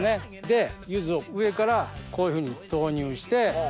でゆずを上からこういうふうに投入して。